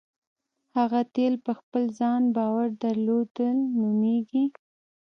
هغه تیل په خپل ځان باور درلودل نومېږي.